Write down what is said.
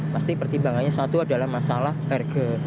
pasti pertimbangannya satu adalah masalah harga